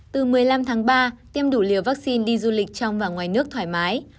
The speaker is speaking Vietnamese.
từ một mươi năm tháng ba tiêm đủ liều vaccine đi du lịch trong và ngoài nước thoải mái